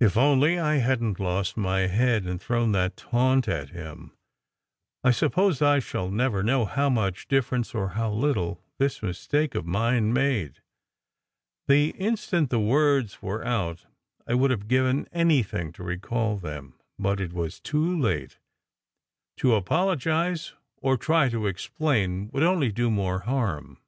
If only I hadn t lost my head and thrown that taunt at him! I suppose I shall never know how much difference, or how little, this mistake of mine made. The instant the words were out I would have given anything to recall them. But it was too late. To apologize, or try to explain, would only do more harm.